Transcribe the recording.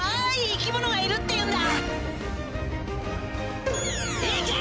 生き物がいるっていうんだ行け！